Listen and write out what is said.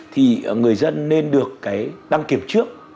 thì người dân nên được đăng kiểm trước